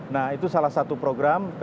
nah itu salah satu program